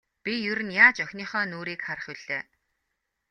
Би ер нь яаж охиныхоо нүүрийг харах билээ.